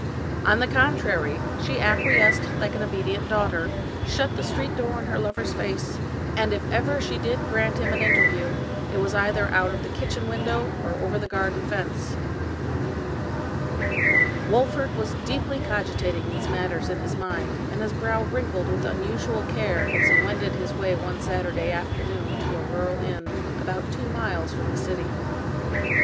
On the con trary, she acquiesced like an obedient daughter, shut the street door in her lover's face, and if ever she did grant him an interview, it was either out of the kitchen window or over the garden fence. Wolfert was deeply cogitating these matters in his mind, and his brow wrinkled with unusual care, as he wended his way one Saturday afternoon to a rural inn, about two miles 170 Washington Irving from the city.